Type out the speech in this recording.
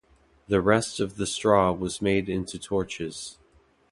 The rest of the straw was made into torches.